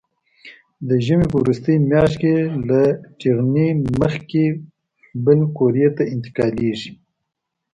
د ژمي په وروستۍ میاشت کې له ټېغنې مخکې بلې قوریې ته انتقالېږي.